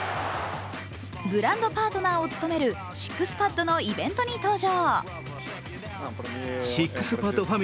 ブランドパートナーを務めるＳＩＸＰＡＤのイベントに登場。